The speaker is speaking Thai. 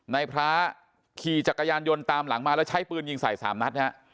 ในพระขี่จักรยานยนต์ตามหลังมาแล้วใช้ปืนยิงใส่๓นัดฮะ